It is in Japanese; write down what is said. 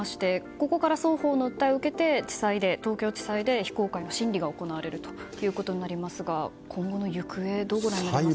ここから双方の訴えを受けて東京地裁で非公開の審理が行われるということになりますが今後の行方どうご覧になりますか。